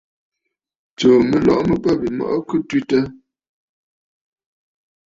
Tsuu mɨlɔ̀ʼɔ̀ mɨ bə̂ bîmɔʼɔ kɨ twitə̂.